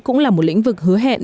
cũng là một lĩnh vực hứa hẹn